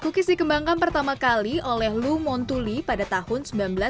kukis dikembangkan pertama kali oleh lou montulli pada tahun seribu sembilan ratus sembilan puluh empat